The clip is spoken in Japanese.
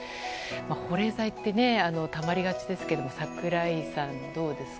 保冷剤ってたまりがちだけど櫻井さん、どうですか？